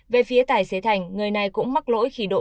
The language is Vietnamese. về phía tài xế thành người này cũng mắc lỗi khi đỗ